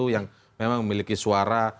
yang memang memiliki suara